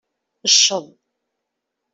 Cceḍ.